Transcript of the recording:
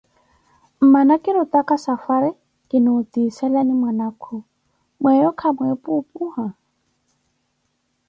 Amana kirutaka safwariyaka, kinuutiselani mwanakhu, mweyo kamweepu opuha?